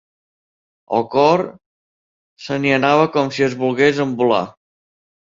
El cor se n'hi anava com si es volgués envolar